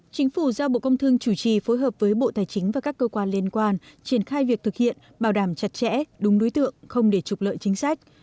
chính phủ giao bộ công thương chủ trì phối hợp với bộ tài chính và các cơ quan liên quan triển khai việc thực hiện bảo đảm chặt chẽ đúng đối tượng không để trục lợi chính sách